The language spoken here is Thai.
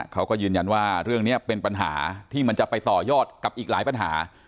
เขาก็ยืนยันว่าเรื่องนี้เป็นปัญหาที่มันจะไปต่อยอดกับอีกหลายปัญหา